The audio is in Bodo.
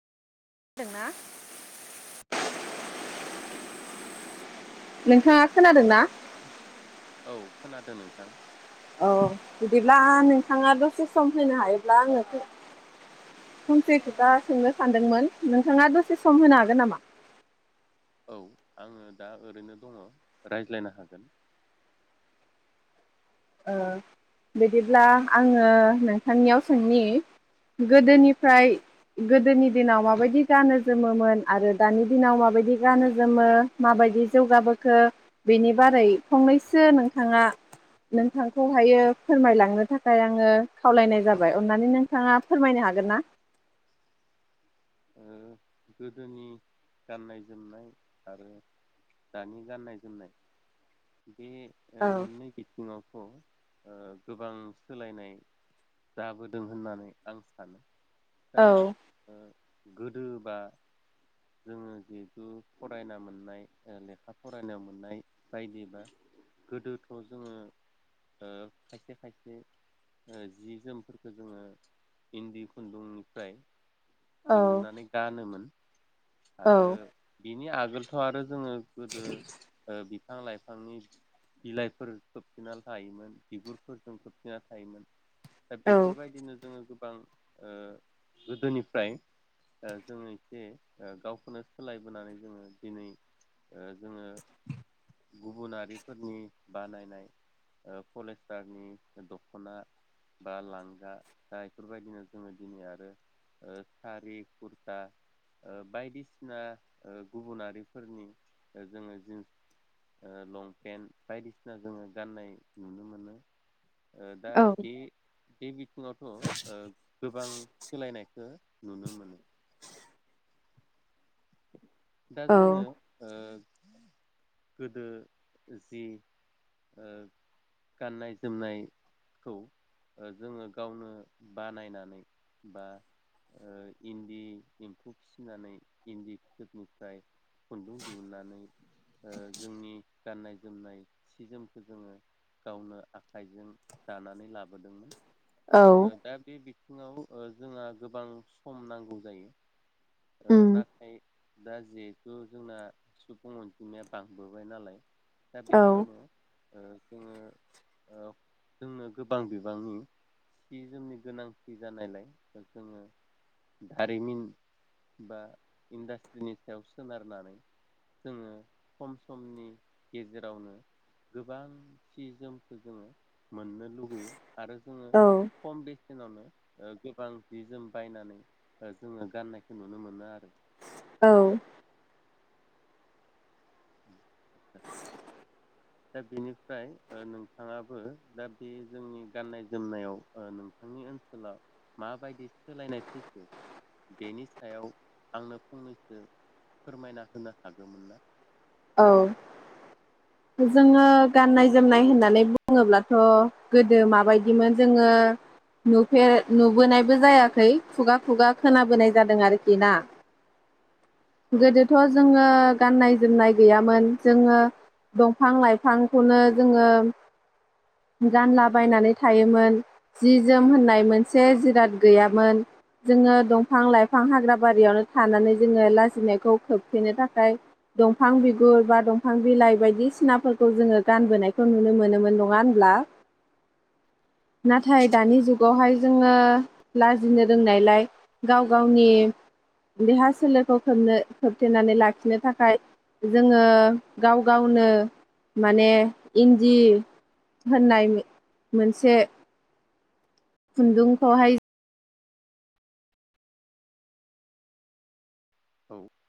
जादोंना नोंथाङा? खोनादोंना हेलौ औ। खोनादों नोंथां। औ बिदिब्ला नोंथाङा दसे सम होनो हायोब्ला आङो फंसे खोथि सोंनो सानदोंमोन नोंथाङा दसे सम होनो हागोन नामा? औ आङो दा ओरैनो दङ रायज्लायनो हागोन। ओ बिदिब्ला आङो नोंथांनियाव सोंनि गोदोनिफ्राय गोदोनि दिनाव माबायदि गानो जोमोमोन आरो दानि दिनाव माबायदि गानो जोमो माबायदि जौगाबोखो बेनि बारै फंनैसो नोंथाङा नोंथांखौहायो फोरमायलांनो थाखाय आङो खावलायनाय जाबाय अननानै नोंथाङा फोरमायनो हागोन ना। ओ गोदोनि गाननाय जोमनाय आरो दानि गाननाय जोमनाय बे औ मोननै बिथिङावथ' ओ गोबां सोलायनाय जाबोदों होननानै आं सानो। दा औ ओ गोदो बा जोङो जिहेथु फरायना मोननाय ओ लेखा फरायना मोननाय बायदिबा गोदोथ' जोङो ओ खायसे खायसे जि जोमफोरखौ जोङो इन्दि खुन्दुंनिफ्राय औ दिहुननानै गानोमोन। औ आरो बिनि आग आगोलथ' आरो जोङो गोदो ओ बिफां लाइफांनि बिलाइफोर खोबथिननानै थायोमोन बिगुरफोरजों खोबथिनानै थायोमोन। दा औ बेफोरबायदिनो जोङो। गोबां ओ गोदोनिफ्राय ओ जोंनि जे ओ गावखोनो सोलायबोनानै जोङो दिनै ओ जोङो गुबुनारिफोरनि बानायनाय ओ पलिस्टारनि दख'ना बा लांगा दा बेफोरबायदिनो जोङो दिनै आरो ओ सारि कुरता ओ बायदिसिना ओ गुबुनारिफोरनि ओ जोङो जिन्स ओ लंपेन्ट बायदिसिना जोङो गाननाय नुनो मोनो। ओ दा औ बि बे बि थिङावथ' ओ गोबां सोलायनायखो नुनो मोनो। दा जोङो औ ओ गोदो जि ओ गाननाय जोमनायखौ ओ जोङो गावनो बानायनानै बा ओ इन्दि एम्फौ फिसिनानै इन्दि फिथोबनि जाय खुन्दुं दिहुननानै ओ जोंनि गाननाय जोमनाय सि जोमखौ जोङो गावनो आखाइजों दानानै लाबोदोंमोन। औ ओ दा बे बि थिङाव ओ जोंहा गोबां सम नांगौ जायो। ओ उम नाथाय दा जिहेथु जोंना सुबुं अनजिमाया बांबोबाय नालाय। दा औ बेखायनो ओ जोङो ओ जोंनो गोबां बिबांनि सि जोमनि गोनांथि जानायलाय जोङो दारिमिन बा इन्डास्ट टिनि सायाव सोनारनानै जोङो खम समनि गेजेरावनो गोबां सि जोमखो जोङो मोननो लुगैयो आरो जोङो औ खम बेसेनावनो ओ गोबां जि जोम बायनानै ओ जोङो गाननायखौ नुनो मोनो आरो औ। उ [inaudible] दा बेनिफ्राय ओ नोंथाङाबो दा बे जोंनि गाननाय जोमनायाव ओ नोंथांनि ओनसोलाव माबायदि सोलायनाय फैखो बेनि सायाव आंनो फंनैसो फोरमायना होनो हागोमोन ना? औ जोङो गाननाय जोमनाय होननानै बुङोब्लाथ' गोदो माबायदिमोन जोङो नुफेर नुबोनायबो जायाखै खुगा खुगा खोनाबोनाय जादों आरोखि ना। औ गोदोथ' जोङो गाननाय-जोमनाय गैयामोन जोङो दंफां लाइफांखौनो जोङो गानलाबायनानै थायोमोन जि जोम होननाय मोनसे जिराद गैयामोन जोङो दंफां लाइफां हाग्र बारियावनो थानानै जोङो लाजिनायखौ खोबथेनो थाखाय दं फां बिगुर बा दंफां बिलाइ बायदिसिनाफोरखौ जोङो गानबोनायखौ नुनो मोनोमोन नङा होनब्ला? नाथाय दानि जुगावहाय जोङो लाजिनो रोंनायलाय गाव गावनि देहा सोलेरखौ खोबनो खोबथेनानै लाखिनो थाखाय जोङो गाव गावनो माने इन्दि होननाय मोनसे खुन्दुंखौहाय औ।